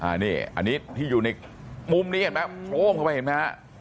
อันนี้ที่อยู่ในมุมนี้เห็นไหมโอ้มเข้าไปเห็นไหมฮะ